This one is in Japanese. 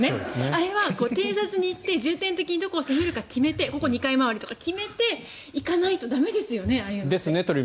あれは偵察に行って重点的にどこに行くか決めてここ２回回りとか決めて行かないと駄目ですよね。